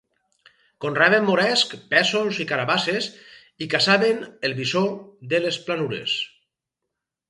Conreaven moresc, pèsols i carabasses, i caçaven el bisó de les planures.